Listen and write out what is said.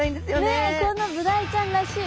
ねえこのブダイちゃんらしい